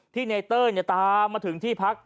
ที่ไนเตอร์เนี่ยตามมาถึงที่พัก